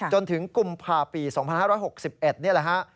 จนถึงกุมภาปี๒๕๖๑เนี่ยแหละฮะ